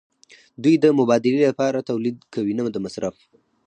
دوی د مبادلې لپاره تولید کوي نه د مصرف.